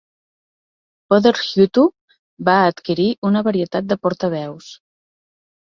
Poder Hutu va adquirir una varietat de portaveus.